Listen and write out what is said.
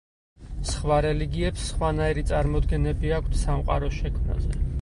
სხვა რელიგიებს სხვანაირი წარმოდგენები აქვთ სამყაროს შექმნაზე.